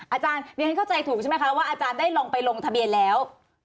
อาจารย์เรียนเข้าใจถูกใช่ไหมคะว่าอาจารย์ได้ลองไปลงทะเบียนแล้ว